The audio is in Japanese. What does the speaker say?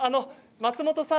松本さん